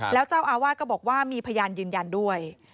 แล้วเจ้าอาวาสก็บอกว่ามีพยานยืนยันด้วย